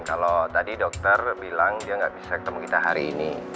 kalau tadi dokter bilang dia nggak bisa ketemu kita hari ini